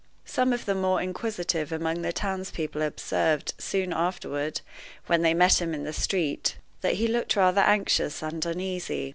Some of the more inquisitive among the townspeople observed soon afterward, when they met him in the street, that he looked rather anxious and uneasy.